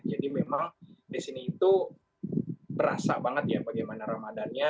jadi memang di sini itu berasa banget ya bagaimana ramadannya